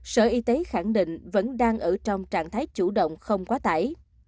sở y tế khẳng định vẫn đang ở trong trạng thái chủ động không quá tải